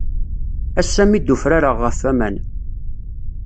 Ass-a mi d-ufrareɣ ɣef waman.